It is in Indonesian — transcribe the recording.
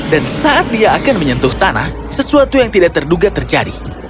dan saat dia akan menyentuh tanah sesuatu yang tidak terduga terjadi